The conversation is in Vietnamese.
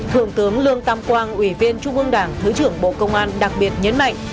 thượng tướng lương tam quang ủy viên trung ương đảng thứ trưởng bộ công an đặc biệt nhấn mạnh